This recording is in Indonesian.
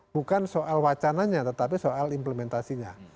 bukan soal wacananya tetapi soal implementasinya